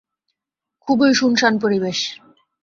খুবই শুনশান পরিবেশ।